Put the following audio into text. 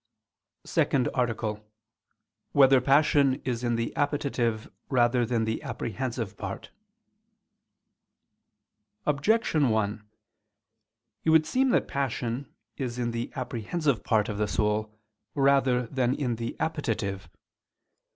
________________________ SECOND ARTICLE [I II, Q. 22, Art. 2] Whether Passion Is in the Appetitive Rather Than in the Apprehensive Part? Objection 1: It would seem that passion is in the apprehensive part of the soul rather than in the appetitive.